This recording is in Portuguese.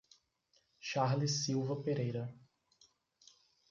Charles Silva Pereira